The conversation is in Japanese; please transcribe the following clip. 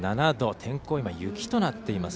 天候、今、雪となっています。